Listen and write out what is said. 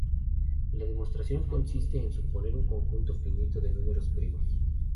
La demostración consiste en suponer un conjunto finito de números primos.